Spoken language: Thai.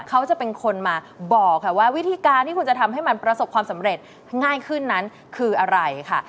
เขาจะเป็นคนมาบอกค่ะว่าวิธีการที่คุณจะทำให้มันประสบความสำเร็จง่ายขึ้นนั้นคืออะไรค่ะ